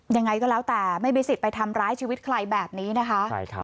ยังไงก็แล้วแต่ไม่มีสิทธิ์ไปทำร้ายชีวิตใครแบบนี้นะคะ